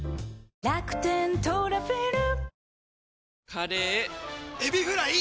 カレーエビフライ！